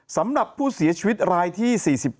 สำหรับผู้เสียชีวิตรายที่๔๙